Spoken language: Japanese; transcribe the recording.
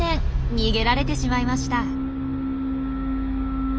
逃げられてしまいました。